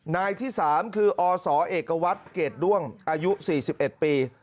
นายที่๓คืออศเอกวัตรเกรดด้วงอายุ๔๑ปี